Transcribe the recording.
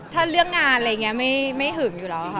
ถ้าเรื่องงานอะไรอย่างนี้ไม่หึงอยู่แล้วค่ะ